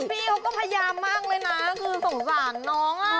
พี่เขาก็พยายามมากเลยนะคือสงสารน้องอ่ะ